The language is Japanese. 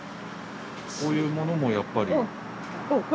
こういうものもやっぱり。